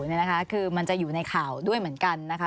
นี่นะคะคือมันจะอยู่ในข่าวด้วยเหมือนกันนะคะ